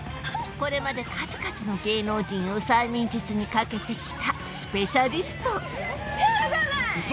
これまで数々の芸能人を催眠術にかけて来たスペシャリスト・ウソ！